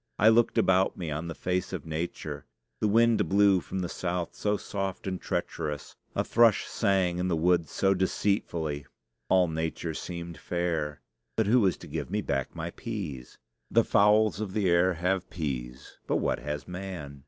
I looked about me on the face of nature. The wind blew from the south so soft and treacherous! A thrush sang in the woods so deceitfully! All nature seemed fair. But who was to give me back my peas? The fowls of the air have peas; but what has man?